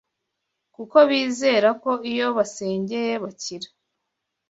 kuko bizera ko iyo abasengeye bakira